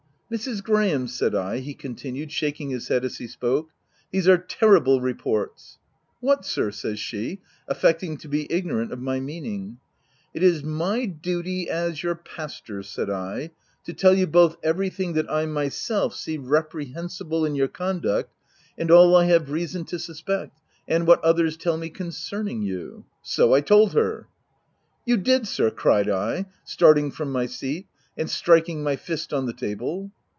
si ' Mrs. Graham,' said I/' he continued shak ing his head as he spoke, "* these are terrible reports J' ' What sir?' says she, affecting to be ignorant of my meaning. ' It is my — duty — as — your pastor,' said I, c to tell you both every thing that I myself see reprehensible in your 198 THE TENANT conduct, and all I have reason to suspect, and what others tell me concerning you.' — So I told her W c * You did sir?" cried I, starting from my seat, and striking my fist on the table.